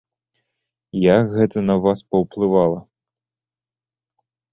Як гэта на вас паўплывала?